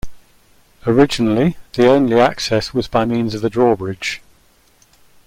Originally, the only access was by means of a drawbridge.